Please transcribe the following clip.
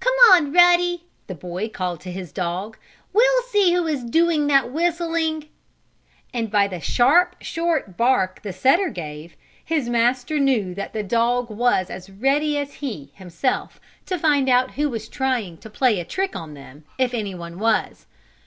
"Come on, Ruddy!" the boy called to his dog. "We'll see who is doing that whistling!" And by the sharp, short bark the setter gave his master knew that the dog was as ready as he, himself, to find out who was trying to play a trick on them, if anyone was.